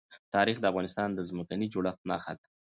تاریخ د افغانستان د ځمکې د جوړښت نښه ده.